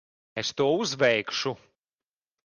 Es to uzveikšu.